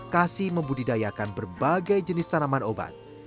kami masih membudidayakan berbagai jenis tanaman obat